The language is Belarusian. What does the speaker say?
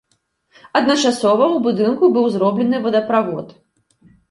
Адначасова ў будынку быў зроблены водаправод.